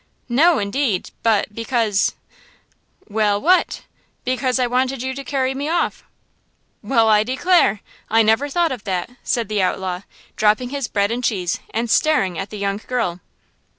"No, indeed, but, because–" "Well, what?" "Because I wanted you to carry me off!" "Well, I declare! I never thought of that!" said the outlaw, dropping his bread and cheese, and staring at the young girl.